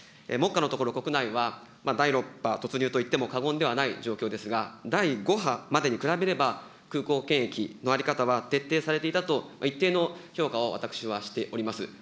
目下のところ、国内は第６波突入と言っても過言ではない状況ですが、第５波までに比べれば、空港検疫の在り方は徹底されていたと、私は一定の評価を私はしております。